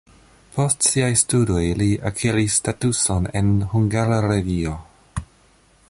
Post siaj studoj li akiris statuson en Hungara Radio.